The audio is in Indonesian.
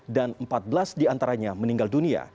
dan empat belas diantaranya meninggal dunia